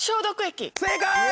正解！